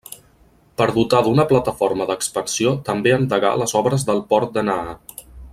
Per dotar d'una plataforma d'expansió també endegà les obres del port de Naha.